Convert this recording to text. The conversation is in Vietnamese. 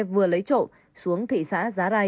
vừa lấy trộm xuống thị xã giá rai